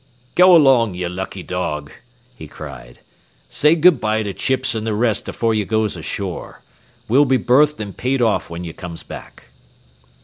"Go along, ye lucky dog," he cried. "Say good by to Chips an' the rest afore ye goes ashore. We'll be berthed an' paid off when ye comes back."